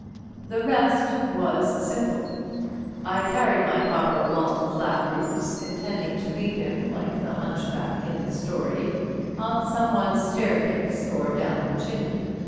The rest was simple. I carried my pauper along the flat roofs, intending to leave him, like the hunchback in the story, on someone's staircase or down a chimney.